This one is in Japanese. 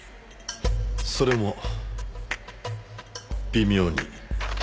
それも微妙に。